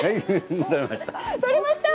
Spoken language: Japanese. とれました！